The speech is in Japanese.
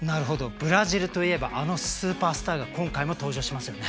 ブラジルといえばあのスーパースターが今回も登場しますよね。